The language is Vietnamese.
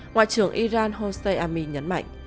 ngoại trưởng iran hossein amin nhấn mạnh